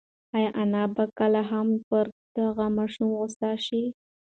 ایا انا به بیا کله هم پر دغه ماشوم غوسه شي؟